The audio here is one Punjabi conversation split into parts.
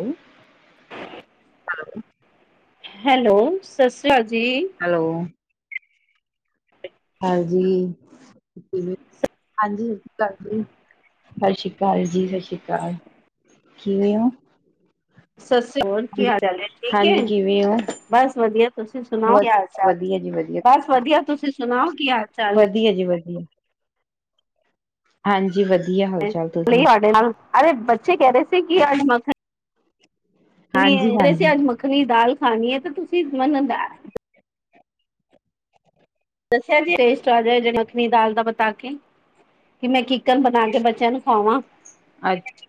ਹੈਲੋ, ਹੈਲੋ ਸਤਿ ਸ਼੍ਰੀ ਅਕਾਲ ਜੀ। ਹੈਲੋ। ਹਾਂਜੀ, ਹਾਂਜੀ ਸਤਿ ਸ੍ਰੀ ਅਕਾਲ ਜੀ। ਸਤਿ ਸ਼੍ਰੀ ਅਕਾਲ ਜੀ, ਸਤਿ ਸ਼੍ਰੀ ਅਕਾਲ ਕਿਵੇ ਔ। ਸਤਿ ਸ਼੍ਰੀ ਅਕਾਲ, ਕੀ ਹਾਲ ਚਾਲ ਐ ਠੀਕ ਐ? ਕਿਵੇ ਔ? ਬਸ ਵਧੀਆ ਤੁਸੀਂ ਸੁਣਾਓ ਕੀ ਹਾਲ ਚਾਲ? ਜੀ ਵਧੀਆ। ਬਸ ਵਧੀਆ ਤੁਸੀਂ ਸੁਣਾਓ ਕੀ ਹਾਲ ਚਾਲ? ਵਧੀਆ ਜੀ ਵਧੀਆ। ਹਾਂਜੀ, ਵਧੀਆ ਹੋ ਚਾਲ ਤੁਸੀਂ? ਸਾਡੇ ਨਾਲ ਅਰੇ ਬੱਚੇ ਕਹਿ ਰਹੇ ਸੀ ਕਿ ਮ ਹਾਂਜੀ ਹਾਂਜੀ। ਅਸੀਂ ਅੱਜ ਮੱਖਣੀ ਦੀ ਦਾਲ ਖਾਣੀ ਐ ਤੇ ਤੁਸੀਂ ਮੰਨਦਾ ਦੱਸਿਆ ਜੀ ਸੇਸਟ ਰਾਜਾ ਮੱਖਣੀ ਦਾਲ ਦਾ ਪਤਾਕੇ। ਕਿ ਮੈਂ ਕਿਕਨ ਬਣਾ ਕੇ ਬੱਚਿਆਂ ਨੂੰ ਖਾਵਾਂ। ਅੱਛਾ,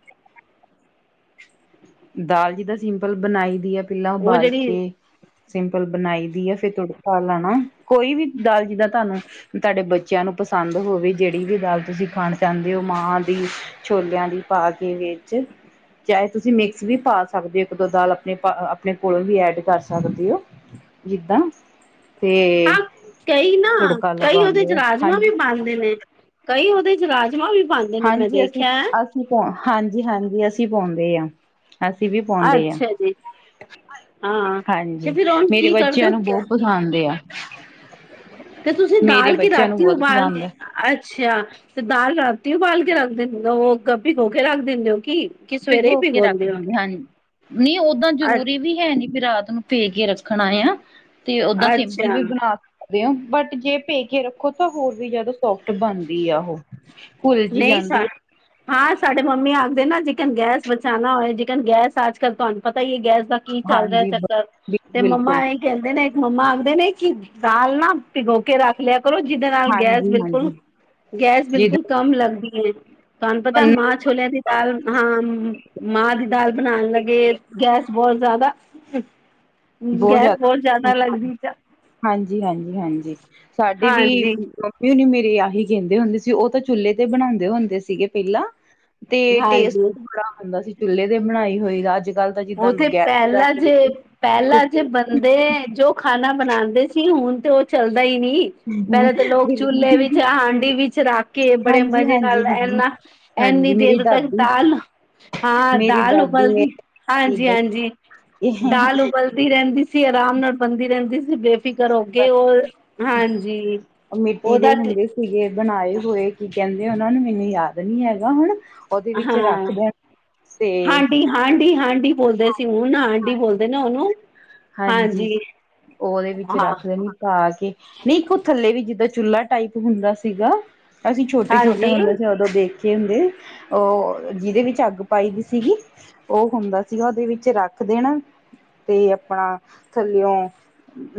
ਦਾਲ ਜਿੱਦਾਂ ਸਿੰਪਲ ਬਣਾਈ ਦੀ ਐ ਪਹਿਲਾਂ ਉਹ ਉਬਾਲ ਜਿਹੜੀ ਕੇ। ਸਿੰਪਲ ਬਣਾਈ ਦੀ ਐ ਫੇਰ ਤੜਕਾ ਲਾਣਾ ਕੋਈ ਵੀ ਦਾਲ ਜਿੱਦਾਂ ਤੁਹਾਨੂੰ। ਤੁਹਾਡੇ ਬੱਚਿਆਂ ਨੂੰ ਪਸੰਦ ਹੋਵੇ ਜਿਹੜੀ ਵੀ ਦਾਲ ਤੁਸੀਂ ਖਾਣ ਚਾਹੁੰਦੇ ਹੋ ਮਾਹ ਦੀ। ਛੋਲਿਆਂ ਦੀ ਪਾ ਕੇ ਵਿੱਚ, ਚਾਹੇ ਤੁਸੀਂ ਮਿਕ ਵੀ ਪਾ ਸਕਦੇ ਐ, ਇੱਕ ਦੋ ਦਾਲ ਆਪਣੇ ਆਪਣੇ ਕੋਲੋਂ ਵੀ ਐਡ ਕਰ ਸਕਦੇ ਔ। ਜਿੱਦਾਂ। ਤੇ ਹਾਂ ਕਈ ਨਾ, ਤੁੜਕਾ ਕਈ ਉਹਦੇ ਚ ਲਗਾਉਂਦੇ ਆ ਰਾਜਮਾਂ ਵੀ ਹਾਂਜੀ ਬਣਦੇ ਨੇ ਕਈ ਉਹਦੇ ਚ ਰਾਜਮ ਹਾਂਜੀ ਅਸੀਂ-ਅਸੀਂ ਤਾ ਹਾਂਜੀ-ਹਾਂਜੀ ਅਸੀਂ ਪਾਉਂਦੇ ਆ। ਅਸੀਂ ਵੀ ਪਾਉਂਦੇ ਆ। ਅੱਛਾ ਜੀ ਹਾਂ ਤੇ ਹਾਂਜੀ ਫਿਰ ਹੁਣ ਮੇਰੇ ਕੀ ਕਰਦੇ ਬੱਚਿਆਂ ਨੂੰ ਹੋ ਬਹੁਤ ਪਸੰਦ ਆ। ਤੇ ਤੁਸੀਂ ਮੇਰੇ ਦਾਲ ਕਿ ਬੱਚਿਆਂ ਨੂੰ ਰਾਤੀ ਬਹੁਤ ਉਬਾਲ ਪਸੰਦ ਦੇ ਹੈ। ਅੱਛਾ, ਤੇ ਦਾਲ ਰਾਤੀ ਉਬਾਲ ਕੇ ਰੱਖ ਦਿੰਦੇ ਉਹ ਭਿਕੋ ਕੇ ਰੱਖ ਦਿੰਨੇ ਔ ਕੀ ਕਿ ਸਵੇਰੇ ਹੀ ਭੀਗੌ ਦੇ ਔ ਨਈ ਓਦਾਂ ਜ਼ਰੂਰੀ ਵੀ ਹੈ ਨੀ ਵੀ ਰਾਤ ਨੂੰ ਭੇ ਕੇ ਰੱਖਣਾ ਆ ਤੇ ਓਦਾ ਸਿੰਪਲ ਅੱਛਾ ਵੀ ਬਣਾ ਸਕਦੇ ਔ, ਬਟ ਜੇ ਭੇ ਕੇ ਰੱਖੋ ਤਾਂ ਹੋਰ ਵੀ ਜਿਆਦਾ ਸੋਫਟ ਬਣਦੀ ਆ ਉਹੌ ਘੁੱਲ ਜੀ ਨਹੀਂ ਜਾਂਦੀ ਸਾ ਐ ਹਾਂ ਸਾਡੇ ਮੰਮੀ ਆਖਦੇ ਨਾ ਜੇਕਨ ਗੈਸ ਬਚਾਣਾ ਹੋਏ ਜੇਕਨ ਗੈਸ ਅੱਜ ਕੱਲ੍ਹ ਤੁਹਾਨੂੰ ਪਤਾ ਹੀ ਐ ਗੈਸ ਦਾ ਕੀ ਚੱਲ ਰਿਹਾ ਹਾਂਜੀ ਬ- ਚੱਕਰ, ਬਿਲ- ਤੇ ਮੰਮਾ ਬਿਲਕੁਲ ਇਹ ਕਹਿੰਦੇ ਨੇ ਇੱਕ ਮੰਮਾ ਆਖਦੇ ਨੇ ਕਿ ਦਾਲ ਨਾ ਭਿਗੋ ਕੇ ਰੱਖ ਲਿਆ ਕਰੋ ਜਿਹਦੇ ਨਾਲ ਗੈਸ ਹਾਂਜੀ ਬਿਲਕੁਲ ਹਾਂਜੀ ਗੈਸ ਬਿਲਕੁਲ ਜਿੱਦਾਂ ਕਮ ਲੱਗਦੀ ਐ ਤੁਹਾਨੂੰ ਪਤਾ ਮਾ ਛੋਲਿਆਂ ਦੀ ਦਾਲ ਹਾਂ ਮਾਹ ਦੀ ਦਾਲ ਬਣਾਣ ਲੱਗੇ ਗੈਸ ਬਹੁਤ ਜ਼ਿਆਦਾ ਗੈਸ ਬਹੁਤ ਜਿਆਦਾ ਲੱਗਦੀ ਐ ਹਾਂਜੀ-ਹਾਂਜੀ-ਹਾਂਜੀ ਸਾਡੀ ਵੀ ਹਾਂਜੀ ਮੱਮੀ ਓਨੀ ਮੇਰੇ, ਆਹੀ ਕਹਿੰਦੇ ਹੁੰਦੇ ਸੀ, ਉਹ ਤਾਂ ਚੁੱਲੇ ਤੇ, ਬਣਾਉਂਦੇ ਹੁੰਦੇ ਸੀਗੇ ਪਹਿਲਾਂ ਤੇ, ਟੇਸਟ ਹਾਂਜੀ ਬੜਾਆਉਂਦਾ ਸੀ, ਚੁੱਲੇ ਦੇ ਬਣਾਈ ਹੋਈ, ਦਾ ਅੱਜ ਕੱਲ ਉਹ, ਥੇ ਪਹਿਲਾਾਂ ਜੇ ਪਹਿਲਾਂ, ਜੇ ਕੁੱਕਰ ਬੰਦੇ ਜੋ ਖਾਣਾ ਬਣਾਉਂਦੇ ਸੀ, ਹੁਣ ਤੇ ਉਹ ਚਲਦਾ, ਹੀ ਨਹੀਂ ਪਹਿਲਾ ਤਾਂ ਲੋਕ, ਚੁੇਲ੍ਹੇ ਵਿੱਚ ਬਿਲਕੁਲ। ਹਾਂਡੀ ਵਿੱਚ ਰੱਖ ਕੇ, ਬੜੇ ਹਾਂਜੀ, ਮਜ਼ੇ ਹਾਂਜੀ, ਨਾਲ ਹਾਂਜੀ, ਏਨਾ ਇੰਨੀ ਹਾਂਜੀ ਮੇਰੀ ਦੇਰ ਤੱਕ ਦਾਦੀ ਦਾਲ, ਹਾਂ ਮੇਰੀ ਦਾਲ ਹੋ ਦਾਦੀ ਮੇਰੇ ਉਬਲਦੀ ਨਾਲ ਏਦਾਂ ਹੀ ਹਾਂਜੀ-ਹਾਂਜੀ ਦਾਲ ਉਬਲਦੀ ਰਹਿੰਦੀ ਸੀ, ਆਰਾਮ ਨਾਲ ਬਣਦੀ ਰਹਿੰਦੀ ਸੀ ਬੇ ਫਿਕਰ ਹੋ ਕੇ, ਉਹ ਹਾਂਜੀ ਮਿੱਟੀ ਦੇ ਉਹਦਾ ਹੁੰਦੇ ਸੀਗੇ ਬਣਾਏ ਹੋਏ ਕੀ ਕਹਿੰਦੇ ਉਹਨਾ ਨੂੰ, ਮੈਨੂੰ ਯਾਦ ਨੀ ਹੈਗਾ ਹੁਣ ਉਹਦੇ, ਵਿੱਚ ਰੱਖ ਦੇਣ ਤੇ ਹਾਂਢੀ -ਹਾਂਢੀ ਬੋਲਦੇ ਸੀ, ਹੁਣ ਆਂਢੀ ਬੋਲਦੇ ਨਾ ਉਹਨੂੰ ਹਾਂਜੀ, ਉਹਦੇ ਵਿੱਚ ਹਾਂ ਰੱਖ ਦੇਣੀ ਪਾ ਕੇ, ਨਹੀਂ ਵੇਖੋ ਥੱਲੇ ਵੀ ਕਿਤੇ ਚੁੱਲ੍ਹਾ, ਟਾਈਪ ਹੁੰਦਾ ਸੀਗਾ, ਅਸੀਂ ਛੋਟੇ--ਛੋਟੇ ਹਾਂਜੀ ਹੁੰਦੇ ਸੀ ਦੇਖ ਕੇ ਹੁੰਦੇ, ਉਹ ਜਿਹਦੇ ਵਿੱਚ ਅੱਗ ਪਾਈ ਦੀ ਸੀਗੀ ਉਹ ਹੁੰਦਾ ਸੀਗਾ, ਉਹਦੇ ਵਿੱਚ ਰੱਖ ਦੇਣਾ ਤੇ, ਆਪਣਾ ਥੱਲਿਓ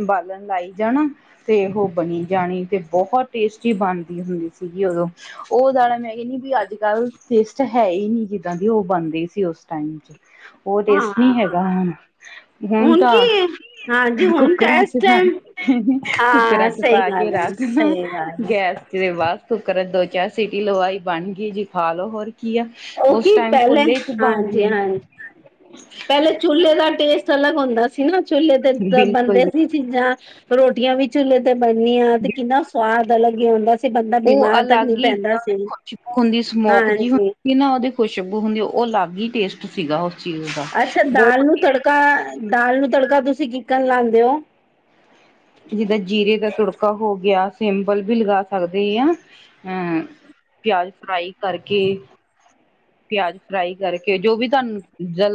ਬਾਲਣ ਲਾਈ ਜਾਣਾ ਤੇ ਉਹ ਬਣੀ ਜਾਣੀ ਤੇ, ਬਹੁਤ ਟੇਸਟੀ ਬਣਦੀ ਹੁੰਦੀ ਸੀਗੀ ਉਹ ਉਹ ਦਾਨਾ ਮੈਂ ਕਦੀ ਵੀ ਅੱਜ ਕੱਲ ਟੇਸਟ ਹੈ ਹੀ ਨਹੀਂ, ਜਿੱਦਾਂ ਦੀ ਉਹ ਬਣਦੀ ਸੀ ਉਸ ਟਾਈਮ ਚ, ਉਹ ਟੇਸਟ ਹਾਂ ਨਹੀਂ ਹੈਗਾ ਹੁਣ ਤਾਂ, ਹਾਂਜੀ ਹੁਣ ਤਾਂ ਕੁੱਕਰਾਂ ਇਸ ਚ ਪਾ, ਟਾਈਮ ਹਾਂ ਕੁੱਕਰਾਂ ਚ ਸਹੀ ਪਾ ਕੇ ਗੱਲ ਹੈ ਰਖ ਸਹੀ ਗੱਲ ਹੈ ਗੈਸ ਜਿਹਦੇ ਬਾਦ ਕੁੱਕਰਾ, ਦੋ ਚਾਰ ਸੀਟੀ ਲਵਾਈ, ਬਣ ਗਈ ਜੀ ਖਾ ਲਓ ਹੋਰ ਕੀ ਆ ਉਹ ਕੀ ਉਸ ਟਾਈਮ ਪਹਿਲੇ, ਖੁੱਲੇ ਚ ਬਣ ਗਈ ਹਾਂਜੀ-ਹਾਂਜੀ ਪਹਿਲੇ ਚੁਲ੍ਹੇ ਦਾ ਟੇਸਟ, ਅਲੱਗ ਹੁੰਦਾ ਸੀ ਨਾ, ਚੁਲ੍ਹੇ ਤੇ ਬਿਲਕੁਲ ਬਣਦੇ ਜੀ ਸੀ ਚੀਜ਼ਾਂ, ਰੋਟੀਆਂ ਵੀ ਚੁਲ੍ਹੇ ਤੇ ਬਣਨੀਆਂ ਤੇ ਕਿੰਨਾ ਸਵਾਦ ਅਲੱਗ ਹੀ ਹੁੰਦਾ ਸੀ, ਬੰਦਾ ਉਹ ਬਿਮਾਰ ਤੱਕ ਅਲੱਗ ਨਹੀਂ ਹੀ ਪੈਂਦਾ ਜਿੱਦਾਂ ਸੀ ਖੁਸ਼ਬੂ ਹੁੰਦੀ ਸਮੋਕ ਜਿ ਹਾਂਜੀ ਹੁੰਦੀ ਸੀ ਨਾ, ਉਹਦੇ ਖੁਸ਼ਬੂ ਹੁੰਦੀ ਉਹ ਅਲੱਗ ਹੀ ਟੇਸਟ ਸੀਗਾ ਚੀਜ਼ ਦਾ ਅੱਛਾ, ਦਾਲ ਬਹੁਤ ਨੂੰ ਤੜਕਾ -ਦਾਲ ਨੂੰ ਤੜਕਾ ਤੁਸੀਂ, ਕਿਕਨ ਲਾਉਂਦੇ ਹੋ? ਜਿੱਦਾਂ, ਜੀਰੇ ਦਾ ਤੁੜਕਾ ਹੋ ਗਿਆ, ਸਿੰਪਲ ਵੀ ਲਗਾ ਸਕਦੇ ਹਾ ਹਮ ਪਿਆਜ ਫਰਾਈ ਕਰਕੇ ਪਿਆਜ ਫਰਾਈ ਕਰਕੇ, ਜੋ ਵੀ ਤੁਹਾਨੂੰ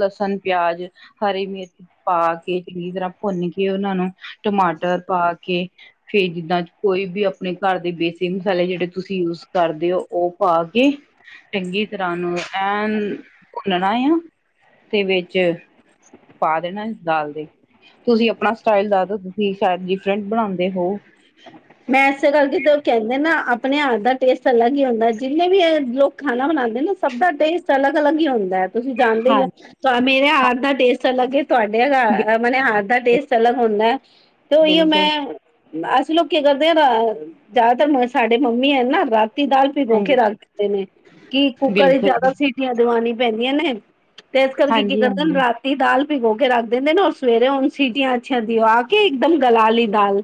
ਲਸਣ, ਪਿਆਜ, ਹਰੀ ਮਿਰਚ ਪਾ ਕੇ, ਚੰਗੀ ਤਰ੍ਹਾਂ ਭੁੰਨ ਕੇ ਉਹਨਾਂ ਨੂੰ, ਟਮਾਟਰ ਪਾ ਕੇ ਫੇਰ ਜਿੱਦਾਂ, ਕੋਈ ਵੀ ਆਪਣੇ ਘਰ ਦੇ ਬੇਸਿਕ ਮਸਾਲੇ, ਜਿਹੜੇ ਤੁਸੀਂ ਯੂਜ ਕਰਦੇ ਹੋ, ਉਹ ਪਾ ਕੇ ਚੰਗੀ ਤਰ੍ਹਾਂ ਨੂੰ, ਐਨ ਭੁੰਨਣਾ ਆ ਤੇ ਵਿੱਚ ਪਾ ਦੇਣਾ ਇਸ ਦਾਲ ਦੇ ਤੁਸੀਂ ਆਪਣਾ ਸਟਾਈਲ ਦੱਸ ਦਿਉ, ਤੁਸੀਂ ਸ਼ਾਇਦ ਡਿਫਰੈਂਟ ਬਣਾਉਂਦੇ ਹੋ? ਮੈਂ ਇਸੇ ਕਰਕੇ ਤੇ ਉਹ ਕਹਿੰਦੇ ਨਾ, ਆਪਣੇ ਹੱਥ ਦਾ ਟੇਸਟ ਅਲੱਗ ਹੀ, ਹੁੰਦਾ ਜਿੰਨੇ ਵੀ ਲੋਕ ਖਾਣਾ ਬਣਾਉਂਦੇ ਨਾ, ਸਭ ਦਾ ਟੇਸਟ ਅਲੱਗ-ਅਲੱਗ ਹੀ ਹੁੰਦਾ ਤੁਸੀਂ ਜਾਣਦੇ ਹੀ ਹੋ, ਹਾਂਜੀ ਤਾਂ ਮੇਰੇ ਹੱਥ ਦਾ ਟੇਸਟ ਅਲੱਗ ਤੁਹਾਡੇ ਹਾਂਜੀ, ਮਤਲਬ, ਆਪਣੇ ਹੱਥ ਦਾ ਬਿਲਕੁਲ ਟੇਸਟ ਅਲੱਗ ਹੁੰਦਾ ਤੇ ਉਹੀ ਮੈਂ ਬਿਲਕੁਲ ਅ ਲੋਕੀ ਕੀ ਕਰਦੇ ਆ, ਜ਼ਿਆਦਾਤਰ ਸਾਡੇ ਮੰਮੀ ਹੈ ਨਾ ਰਾਤੀ ਦਾਲ ਭਿਗੋ ਕੇ ਹਾਂਜੀ ਰੱਖ ਦਿੰਦੇ ਨੇ ਕਿ, ਕੁੱਕਰ ਵਿਚ ਬਿਲਕੁਲ ਜੀ ਜਿਆਦਾ ਸੀਟੀਆਂ ਦਵਾੀਆਂ ਪੈਂਦੀਆਂ ਨੇ, ਤੇ ਇਸ ਕਰਕੇ ਕੀ ਹਾਂਜੀ ਕਰਦੇ ਨੇ, ਹਾਂਜੀ ਰਾਤੀ ਦਾਲ ਭਿਗੋ ਕੇ ਰੱਖ ਦਿੰਦੇ ਨੇ, ਰ ਸਵੇਰੇ ਹੁਣ ਸੀਟੀਆਂ ਅੱਛੀਆਂ ਦਿਓ ਕੇ, ਇੱਕਦਮ ਗਲਾ ਲੀ ਦਾਲ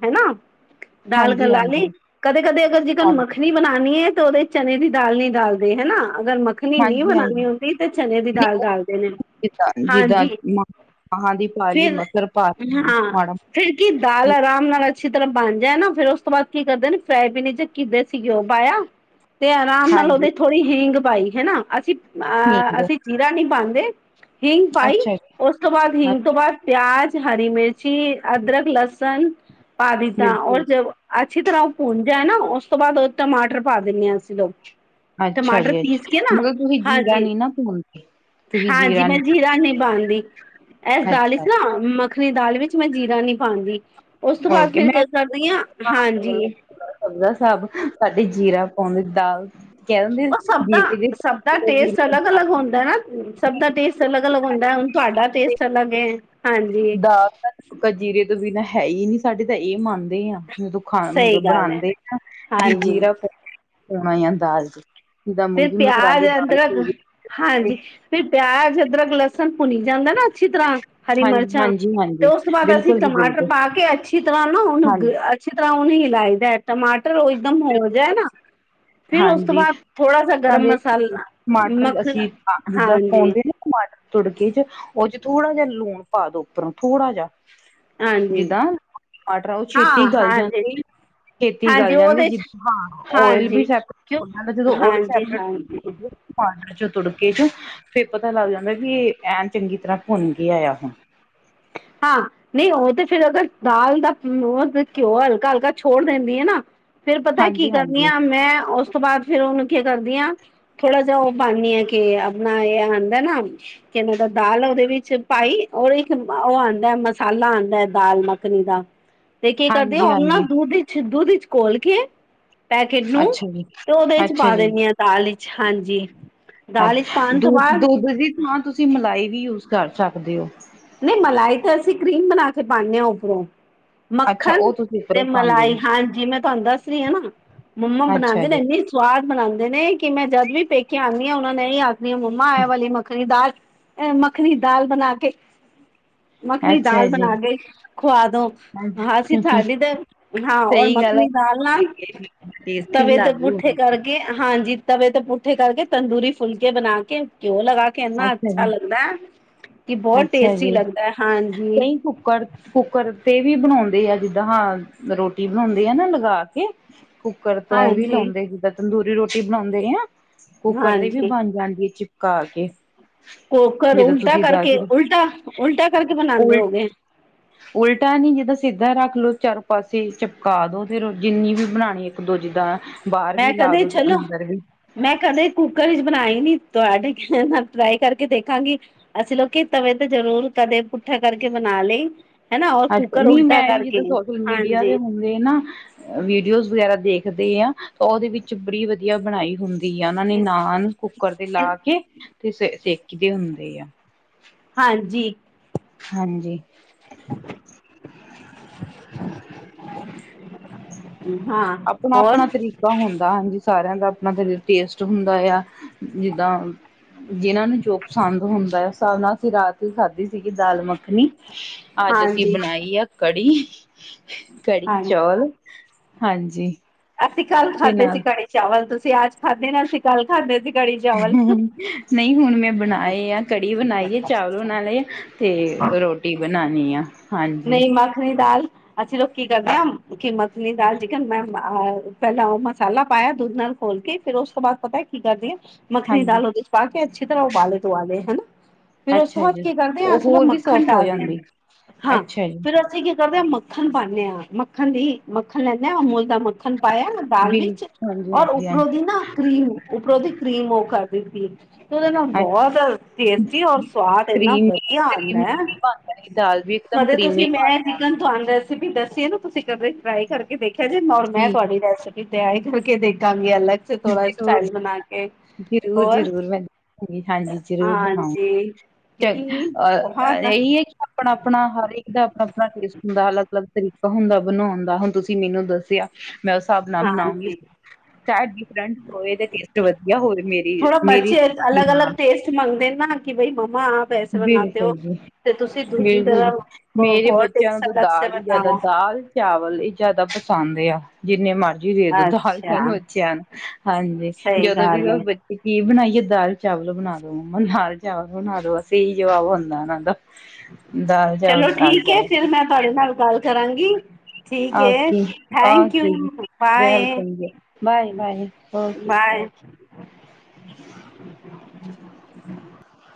ਦਾਲ ਗਾ ਹਾਂਜੀ ਲੀ, ਹਾਂਜੀ ਕਦੇ -ਕਦੇ ਅਗਰ ਜਿਕਨ ਮ ਹਾਂਜੀ ਮੱਖਣੀ ਬਣਾਣੀ ਏ ਤੇ ਉਹਦੇ ਚਨੇ ਦੀ ਦਾਲ ਨੀ ਡਾਲਦੇ ਹੇਨਾ, ਅਗਰ ਮ ਮਖਣੀ ਨੀ ਹਾਂਜੀ ਹਾਂਜੀ ਬਣਾਉਣੀ ਔਂਦੀ ਤੇ ਚਨੇ ਦੀ ਦਾਲ ਨਹੀਂ ਉਹ ਡਾਲਦੇ ਨੇ, ਹਾਂਜੀ। ਅਹਾਂ ਜੀ ਕਾਲੀ ਫਿਰ ਮਸਰ ਪਾ ਤੀ ਏ ਹਾਂ ਮਾੜਾ। ਫਿਰ ਕੀ ਦਾਲ ਆਰਾਮ ਨਾਲ ਅੱਛੀ ਤਰ੍ਹਾਂ ਬਾਣ ਜਾਏ ਨਾ ਫੇਰ ਓਸ ਤੋਂ ਬਾਅਦ ਕੀ ਕਰਦੇ ਨੇ, ਫਰਾਏ ਪੈਨ ਚ ਕਿ ਦੇਸੀ ਘਿਓ ਪਾਏਆ ਤੇ ਆਰਾਮ ਨਾਲ ਹਾਂਜੀ ਉਹਦੇ ਥੋੜ੍ਹੀ ਹਿੰਂਗ ਪਾਈ ਹੇਨਾ, ਅਸੀਂ ਠੀਕ ਅਹ ਹੈ ਅਸੀਂ ਚੀਰਾ ਨਈ ਪਾਂਦੇ। ਹਿੰਗ ਪਾਈ ਅੱਛਾ ਜੀ ਓਸ ਉਸ ਤੋਂ ਬਾਦ ਅੱਛਾ, ਹਿੰਗ ਤੋਂ ਬਾਅਦ, ਪਿਆਜ, ਹਰੀ ਮਿਰਚੀ, ਅਦਰਕ, ਲਸਨ ਪਾ ਦੀ ਤਾਂ ਉਹਰ ਬਿਲਕੁਲ ਜਵ ਅੱਛੀ ਤਰ੍ਹਾਂ ਉਹ ਭੁੰਣ ਜਾਏ ਨਾ, ਓਸ ਤੋਂ ਬਾਅਦ ਉਹ ਟਮਾਟਰ ਪਾ ਦਿੰਨੇ ਆ ਅਸੀਂ ਲੋਗ। ਅੱਛਾ ਟਮਾਟਰ ਜੀ ਪੀਸ ਅੱਛਾ ਕੇ ਨਾ, ਮਤਲਬ ਤੁਸੀਂ ਜੀਰਾ ਹਾਂਜੀ। ਨੀ ਨਾ ਭੁੰਨਦੇ ਤੁਸੀਂ ਹਾਂਜੀ ਮੈਂ ਨੀ ਜੀਰਾ ਨਈ ਪਾਂਦੀ। ਐਸ ਦਾਲ ਇਚ ਅੱਛਾ ਨਾ ਮੱਖਣੀ ਦਾਲ ਵਿੱਚ, ਮੈਂ ਜੀਰਾ ਨੀ ਪਾਂਦੀ, ਉਸ ਤੋਂ ਬਾਅਦ ਫਿਰ ਕ ਕਰਦੀ ਆਂ ਹਾਂਜੀ। ਬੰਗਲਾ ਸਾਬ ਸਾਡੀ ਜੀਰਾ ਪਾਉਂਦੀ ਦਾਲ ਕਹਿ ਦਿੰਦੇ ਉਹ ਸਭ ਦਾ, ਜੀਰੇ ਸਭ ਦਾ ਟੇਸਟ ਅਲੱਗ-ਅਲੱਗ ਹੁੰਦਾ ਨਾ, ਸਭ ਦਾ ਟੇਸਟ ਅਲੱਗ-ਅਲੱਗ ਹੁੰਦਾ ਹੁਣ। ਤੁਆਡਾ ਟੇਸਟ ਅਲੱਗ ਏ, ਹਾਂਜੀ। ਆਵਤਣ ਕਾ ਜੀਰੇ ਤੋਂ ਬਿਨਾਂ ਹੈ ਈ ਨੀ ਸਾਡੇ ਤਾਂ ਏਹ ਮੰਨਦੇ ਆ। ਦੁ ਖਾਨ ਸਹੀ ਮਤਲਬ ਗੱਲ ਹੈ ਬਣਾਂਦੇ ਨਾ, ਵੀ ਹਾਂਜੀ ਜੀਰਾ [unintelligible] ਪੋਉਣਾ ਆ ਦਾਲ ਚ। ਜਿੱਦਾਂ ਫਿਰ ਮੂੰਗੀ ਪਿਆਜ, ਮਸਰਾਲੀ ਦਾਲ ਅਦਰਕ ਹੋ ਗਈ ਹਾਂਜੀ ਫਿਰ ਪਿਆਜ, ਅਦਰਕ, ਲਸ ਸਣ ਭੁੰਨੀ ਜਾਂਦਾ ਨਾ ਅੱਛੀ ਤਰ੍ਹਾਂ, ਹਰੀ ਹਾਂਜੀ ਮਿਰਚਾਂ ਹਾਂਜੀ ਤੋਂ ਹਾਂਜੀ ਓਸ ਤੋਂ ਬਾਅਦ ਅਸੀਂ ਬਿਲਕੁਲ ਜੀ ਟਮਾਟਰ ਬਿਲਕੁਲ ਪਾ ਕੇ ਅੱਛ ਅਛੀ ਤਰ੍ਹਾਂ ਨਾ ਉਹਨੂੰ, ਹਾਂਜੀ ਅੱਛੀ ਤਰ੍ਹਾਂ ਉਹਨੂੰ ਹਿਲਾਈ ਦਾ ਏ, ਟਮਾਟਰ ਉਹ ਇਕਦਮ ਹੋ ਜਾਏ ਨਾ ਫਿਰ ਓਸ ਤੋਂ ਬਾਅਦ ਜਿਸ ਥੋੜਾ ਸਾ ਤਰ੍ਹਾਂ ਗਰਮ ਦੇ ਮਸਾਲਾ ਟਮਾਟਰ ਮੱਖਣ ਅਸੀਂ ਜਿੱਦਾਂ ਹਾਂਜੀ ਪੋਂਦੇ ਟਮਾਟਰ ਤੁੜਕੀ ਚ ਉਹ ਚ ਥੋੜਾ ਜੇਹਾ ਲੂਣ ਪਾ ਦੋ ਉੱਪਰੋਂ, ਥੋੜਾ ਜ਼ਾ ਹਾਂਜੀ ਜਿੱਦਾਂ ਆਟ ਰਾਓ ਹਾਂ ਛੇਤੀ ਗੱਲ ਹਾਂਜੀ ਜਾਂਦੀ। ਖੇਤੀ ਹਾਂਜੀ ਗੱਲ ਜਾਂਦੀ ਉਹਦੇ ਚ ਜਿੱ ਹਾਂ ਓਇਲ ਬੀ ਹਾਂਜੀ ਸੈ ਕਿਉਂ ਓਨਾਂ ਦਾ ਜਦੋਂ ਓਏਲ ਹਾਂਜੀ ਸੇਪਰਟ ਹਾਂਜੀ ਹੋ ਜੇ ਪਾ ਦੋ ਜੋ ਤੁੜਕੇ ਚ, ਫੇਰ ਪਤਾ ਲੱਗ ਜਾਂਦਾ ਵੀ ਏਹ ਐਨ ਚੰਗੀ ਤਰ੍ਹਾਂ ਭੁੰਨ ਕੇ ਆਏਆ ਹੁਣ। ਹਾਂ ਨਈ ਉਹ ਤੇ ਫਿਰ ਅਗਰ ਦਾਲ ਦਾ ਹਮ ਉਹ ਫ ਘਿਓ ਹਲਕਾ-ਹਲਕਾ ਛੋੜ ਦੇਣੀ ਏ ਨਾ ਫੇਰ ਪਤਾ ਏ ਕੀ ਹਾਂਜੀ ਕਰਨੀ ਹਾਂਜੀ ਆ ਮੈਂ ਓਸ ਤੋਂ ਬਾਅਦ ਫਿਰ ਉਹਨੂੰ ਕੀ ਕਰਦੀ ਆਂ? ਥੋੜਾ ਜੇਹਾ ਉਹ ਪਾਣੀ ਆ ਕੇ ਆਪਣਾ ਏਹ ਹਾਂਦਾ ਏ ਨਾ, ਕੇਨੂੰ ਦਾ ਦਾਲ ਉਹਦੇ ਵਿੱਚ ਪਾਈ ਔਰ ਇੱਕ ਉਹ ਆਂਦਾ ਏ ਮਸਾਲਾ ਆਂਦਾ ਏ ਦਾਲ ਮੱਖਣੀ ਦਾ, ਤੇ ਕੀ ਕਰਦੀ ਆ ਹਾਂਜੀ ਓਨੂੰ ਨਾ ਹਾਂਜੀ ਦੁੱਧ ਛ ਦੁੱਧ ਇੱਚ ਕੋਲ ਕੇ ਪੈਕੇਟ ਨੂੰ, ਅੱਛਾ ਜੀ ਤੇ ਓਹਦੇ ਇੱਚ ਅੱਛਾ ਪਾ ਦੇਣੀ ਆਂ ਦਾਲ ਇੱਚ ਹਾਂਜੀ। ਦਾਲ ਵਿੱਚ ਅੱਛ ਪਾਉਣ ਤੋਂ ਦੁੱ ਬਾਅਦ ਦੁੱਧ ਦੀ ਥਾਂ ਤੁਸੀਂ ਮਲਾਈ ਵੀ ਯੂਸ ਕਰ ਸਕਦੇ ਓ। ਨਹੀਂ ਮਲਾਈ ਤੇ ਅਸੀਂ ਕਰੀਮ ਬਣਾ ਕੇ ਪਾਣੇ ਆਂ ਉੱਪਰੋਂ। ਅੱਛਾ ਮੱਖਣ ਉਹ ਤੁਸੀਂ ਤੇ ਉੱਪਰੋਂ ਪਾਉਂਦੇ ਮਲਾਈ ਹਾਂਜੀ ਮੈਂ ਤੁਹਾਨੂੰ ਦੱਸ ਰਈ ਆਂ ਨਾ, ਮੰਮਾ ਆ ਅੱਛਾ ਬਣਾਂਦੇ ਨੇ ਜੀ ਏਨੀ ਸਵਾਦ ਬਣਾਂਦੇ ਨੇ ਕਿ ਮੈਂ ਜਦ ਵੀ ਪੇਕੇ ਆਣੀ ਆਂ ਉਹਨਾਂ ਨੇ ਈ ਆ ਨੀ ਮੰਮਾ ਏਹ ਵਾਲੀ ਮੱਖਣੀ ਦਾਲ, ਏਹ ਮੱਖਣੀ ਦਾਲ ਬਣਾ ਕੇ ਮੱਖਣੀ ਦਾਲ ਅੱਛਾ ਜੀ ਬਣਾ ਕੇ ਖਵਾ ਦੋ, ਹਾਂ ਅਸੀਂ ਸਾਡੀ ਤੇ ਹਾਂ ਔਰ ਸਹੀ ਗੱਲ ਹੈ ਮੱਖਣੀ ਨਾਲ ਨਾ ਟੇਸਟੀ ਤਵੇ ਦੇ ਲਾਗੂ ਪੁੱਠੇ ਹੁੰਦੀ ਕਰਕੇ ਹਾਂਜੀ ਤਵੇ ਤੇ ਪੁੱਠੇ ਕਰਕੇ, ਤੰਦੂਰੀ ਫੁਲਕੇ ਬਣਾ ਕੇ ਘਿਉ ਲਗਾ ਕੇ ਏਨਾ ਅੱਛਾ ਲੱਗਦਾ ਏ, ਕਿ ਬੋਹਤ ਅੱਛਾ ਟੇਸਟੀ ਜੀ ਲੱਗਦਾ ਏ ਹਾਂਜੀ। ਕਈ ਕੁੱਕਰ, ਕੁੱਕਰ ਤੇ ਵੀ ਬਣਾਉਂਦੇ ਐ ਜਿੱਦਾਂ ਹਾਂ, ਰੋਟੀ ਬਣਾਉਂਦੇ ਆ ਨਾ ਲਗਾ ਕੇ। ਕੁੱਕਰ ਤੋਂ ਵੀ ਹਾਂਜੀ ਲਾਉਂਦੇ, ਜਿੱਦਾਂ ਤੰਦੂਰੀ ਰੋਟੀ ਬਣਾਉਂਦੇ ਆ। ਕੁੱਕਰ ਤੇ ਵੀ ਹਾਂਜੀ ਬਣ ਜਾਂਦੀ ਐ ਚਿਪਕਾ ਕੇ। ਕੋਕਰ ਜਿੱਦਾਂ ਉਲਟਾ ਤੁਸੀਂ ਦੱਸ ਕਰਕੇ ਰਹੇ ਉਲਟਾ-ਉਲਟਾ, ਕਰਕੇ ਬਣਾਦੇ ਉਲ ਔ ਗੇ। ਉਲਟਾ ਨੀ ਜਿੱਦਾਂ ਸਿੱਧਾ ਰੱਖ ਲੋੋ ਚਾਰੋ ਪਾਸੇ, ਚਿਪਕਾ ਦੋ ਫਿਰ ਜਿੰਨੀ ਵੀ ਬਣਾਣੀ ਇੱਕ ਦੋ ਜਿੱਦਾਂ ਬਾਹਰ ਮੈਂ ਵੀ ਲਾ ਕਦੇ ਦੋ ਤੇ ਚਲੋ ਅੰਦਰ ਵੀ। ਮੈਂ ਕਦੇ ਕੁੱਕਰ ਵਿੱਚ ਬਣਾਈ ਨੀ ਤੁਹਾਡੇ ਕੇਣ ਨਾਲ, ਟਰਾਈ ਕਰਕੇ ਦੇਖਾਂਗੀ। ਅਸੀਂ ਲੋਕੀ ਤਵੇ ਤੇ ਜ਼ਰੂਰ ਕਦੇ ਪੁੱਠਾ, ਕਰਕੇ ਬਣਾ ਲਈ। ਹਨਾ ਔਰ ਅੱਛਾ ਕੁੱਕਰ ਨਹੀਂ ਉਲਟਾ ਮੈਂ ਕਰਕੇ ਜਿੱਦਾਂ ਵੀ, ਸੋਸ਼ਲ ਮੀਡੀਆ ਦੇ ਹਾਂਜੀ। ਵੀ ਨਾ, ਵੀਡੀਓਜ਼ ਵਗੈਰਾ ਦੇਖਦੇ ਆ ਤੇ ਉਹਦੇ ਵਿੱਚ ਬੜੀ ਵਧੀਆ ਬਣਾਈ ਹੁੰਦੀ। ਦੀ ਆ ਉਹਨਾਂ ਨੇ ਨਾਨ ਕੁੱਕਰ ਤੇ ਲਾ ਕੇ ਤੇ ਸ ਸੇਕੀ ਦੇ ਹੁੰਦੀ ਐ। ਹਾਂਜੀ। ਹਾਂਜੀ। [inaudible] ਆਪਣਾ-ਆਪਣਾ ਹੋਰ ਤਰੀਕਾ ਹੁੰਦਾ, ਹਾਂਜੀ ਸਾਰਿਆਂ ਦਾ ਆਪਣਾ [unintelligible] ਟੇਸਟ ਹੁੰਦਾ ਆ। ਜਿੱਦਾਂ। ਜਿਨਾਂ ਨੂੰ ਜੋ ਪਸੰਦ ਹੁੰਦਾ ਹੈ, ਉਸ ਹਿਸਾਬ ਨਾਲ ਅਸੀਂ ਰਾਤ ਹੀ ਖਾਧੀ ਸੀਗੀ ਦਾਲ ਮੱਖਣੀ। ਅੱਜ ਅਸੀਂ ਹਾਂਜੀ ਬਣਾਈ ਆ ਕੜੀ-ਕੜੀ ਹਾਂਜੀ ਚੌਲ। ਹਾਂਜੀ। ਅਸੀਂ ਕੱਲ੍ਹ ਤੇ ਖਾਧੇ ਸੀ ਨਾਲ ਕੜੀ ਚਾਵਲ ਤੁਸੀਂ ਅੱਜ ਖਾਧੇ ਨੇ ਅਸੀਂ ਕੱਲ ਖਾਧੇ ਸੀ ਕੜੀ ਚਾਵਲ ਨਹੀਂ ਹੁਣ ਮੈਂ ਬਣਾਏ ਆ ਕੜੀ ਬਣਾਈ ਐ, ਚਾਵਲ ਬਣਾ ਲਏ ਐ। ਤੇ ਰੋਟੀ ਬਣਾਣੀ ਆ। ਹਾਂਜੀ ਨਈ ਮੱਖਣੀ ਦਾਲ। ਅ ਚ ਕੀ ਕਰਦੇ ਐ ਕੀਮਤ ਨੀ ਦਾਲ ਚਿਕਨ, ਮੈਂ ਪਹਿਲਾਂ ਉਹ ਮਸਾਲਾ ਪਾਇਆ ਦੁੱਧ ਨਾਲ ਖੋਲ ਕੇ। ਫਿਰ ਉਸ ਤੋਂ ਬਾਅਦ ਪਤਾ ਕੀ ਕਰਦੀ ਐ, ਮੱਖਣੀ ਹਾਂਜੀ ਦਾਲ ਉਹਦੇ ਚ ਪਾ ਕੇ ਅੱਛੀ ਤਰ੍ਹਾਂ ਉਬਾਲੇ ਦੁਬਾਲੇ ਹਨਾ। ਫੇਰ ਉਸ ਤੋਂ ਅੱਛਾ ਬਾਅਦ ਜੀ ਕੀ ਕਰਦੇ ਆ, ਉਹ ਅਸੀ ਨਾ ਹੋਰ ਵੀ ਮੱਖਣ ਸੋਫਟ ਹੋ ਡਾਲਦੇ ਆ ਜਾਂਦੀ ਹਾਂ ਅੱਛਾ ਜੀ ਫਿਰ। ਅਸੀਂ ਕੀ ਕਰਦੇ ਆ ਮੱਖਣ ਪਾਨੇ ਆ, ਮੱਖਣ ਦੀ ਮੱਖਣ ਲੈਂਦੇ ਆ ਅਮੂਲ ਦਾ ਮੱਖਣ ਪਾਇਆ। ਦਾਲ ਬਿਲ ਵਿੱਚ, ਹਾਂਜੀ ਔਰ ਹਾਂਜੀ ਉਪਰੋਂ ਹਾਂਜੀ ਦੀ ਨਾ ਕੀਮ ਉਪਰੋਂ ਦੀ ਕ੍ਰੀਮ ਉਹ ਕਰ। ਉਹਦੇ ਨਾਲ ਬਹੁਤ ਟੇਸਟੀ ਔਰ ਸਵਾਦ, ਇੰਨਾ ਵਧੀਆ ਆਦਾ ਐ। ਕੜੀ ਦਾਲ ਵੀ। ਇਕਦਮ ਕਦੇ ਤੁਸੀਂ ਕਰੀਮੀ ਬਣ ਮੈਂ ਚਿਕਨ ਤੁਹਾਨੂੰ ਰੈਸਪੀ ਦੱਸੀ ਨਾ, ਤੁਸੀਂ ਕਦੇ ਟਰਾਈ ਕਰਕੇ। ਦੇਖਿਆ, ਜੇ ਔਰ ਮੈਂ ਜਾਣੀ ਜੀ ਤੁਹਾਡੀ ਰੈਸਪੀ ਤਿਆਰ ਕਰਕੇ ਦੇਖਾਂਗੀ ਅਲੱਗ। ਸੇ ਥੋੜਾ ਸਟਾਈਲ ਬਣਾ ਕੇ ਹੋਰ ਜ਼ਰੂਰ-ਜ਼ਰੂਰ-ਜ਼ਰੂਰ, ਮੈਂ ਹਾਂ ਹਾਂਜੀ ਜ਼ਰੂਰ ਬਣਾਓ। ਹਾਂਜੀ ਚ ਕਿਉਂਕਿ ਅ ਬਹੁਤ ਇਹੀ ਐ ਕਿ ਆਪਣਾ-ਆਪਣਾ ਹਰ ਇੱਕ ਇਹਦਾ ਆਪਣਾ-ਆਪਣਾ ਟੇਸਟ ਹੁੰਦਾ ਅਲੱਗ-ਅਲੱਗ ਤਰੀਕਾ ਹੁੰਦਾ ਬਣਾਣ ਦਾ ਹੁਣ ਤੁਸੀਂ ਮੈਨੂੰ ਦੱਸਿਆ। ਮੈਂ ਉਸ ਹਿਸਾਬ ਨਾਲ ਬਣਾਉਂਗੀ। ਹਾਂਜੀ ਚਾਹ ਬਿਫਰੈਂਟ ਹੋਵੇ ਤੇ ਟੇਸਟ ਵਧੀਆ, ਹੋਵੇ ਥੋੜਾ ਮੇਰੀ-ਮੇਰੀ ਬੱਚੇ ਅਲੱਗ ਨਾ ਅਲੱਗ ਟੇਸਟ ਮੰਗਦੇ ਨਾ ਕਿ, ਬਈ ਮਾਮਾ ਆਪ ਐਸੇ ਬਣਾਤੇ ਹੋ ਬਿਲਕੁਲ ਜੀ। ਤੇ ਤੁਸੀਂ ਦੂਜੀ ਬਿਲਕੁਲ, ਤਰ੍ਹਾਂ ਮੇਰੇ ਹੋਰ ਬੱਚਿਆਂ ਨੂੰ ਟੇਸਟ ਤਾਂ ਅਲੱਗ ਸੇ ਦਾਲ ਹੀ ਜ਼ਿਆਦਾ ਬਤਾਓ ਦਾਲ। ਚਾਵਲ ਇਹ ਜ਼ਿਆਦਾ ਪਸੰਦ ਆ। ਜਿੰਨੇ ਮਰਜ਼ੀ ਦੇਦੋ ਦਾਲ ਤਾ ਅੱਛਾ ਬੱਚਿਆਂ ਨੂੰ ਹਾਂਜੀ ਸਹੀ ਜਦੋਂ ਵੀ ਗੱਲ ਹੈ ਤੇ ਕੀ ਬਣਾਈਏ ਦਾਲ ਚਾਵਲ ਬਣਾ ਦੋ, ਮੰਮਾ ਦਾਲ ਚਾਵਲ ਬਣਾ ਦੋ ਇਹੀ ਜਵਾਬ ਹੁੰਦਾ ਇਹਨਾਂ ਦਾ। ਚਲੋ ਠੀਕ ਐ, ਫਿਰ ਮੈਂ ਤੁਹਾਡੇ ਨਾਲ ਗੱਲ ਕਰਾਂਗੀ। ਠੀਕ ਐ ਥੈਂਕ ਯੂ ਬਾਏ-ਬਾਏ।